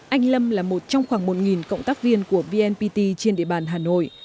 anh lâm là một trong khoảng một cộng tác viên của vnpt trên địa bàn hà nội